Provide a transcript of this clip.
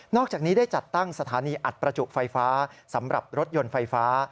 อกจากนี้ได้จัดตั้งสถานีอัดประจุไฟฟ้าสำหรับรถยนต์ไฟฟ้า